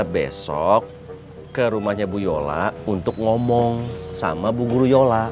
besok ke rumahnya bu yola untuk ngomong sama bu guru yola